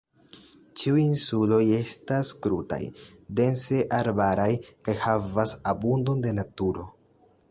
Ĉiuj insuloj estas krutaj, dense arbaraj kaj havas abundon de naturo.